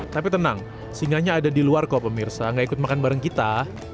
tapi tenang singanya ada di luar kok pemirsa nggak ikut makan bareng kita